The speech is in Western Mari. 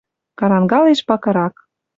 Карангалеш пакырак.